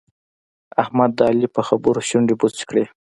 احمد د علي په خبرو شونډې بوڅې کړې.